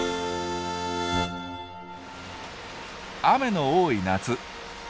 雨の多い夏。